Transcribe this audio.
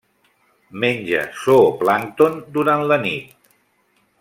Menja zooplàncton durant la nit.